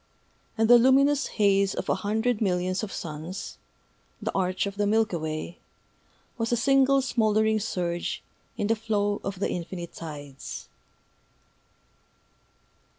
And the luminous haze of a hundred millions of suns, the Arch of the Milky Way, was a single smouldering surge in the flow of the Infinite Tides.